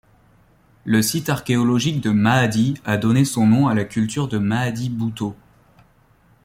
Le site archéologique de Maadi a donné son nom à la culture de Maadi-Bouto.